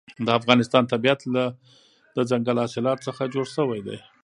د افغانستان طبیعت له دځنګل حاصلات څخه جوړ شوی دی.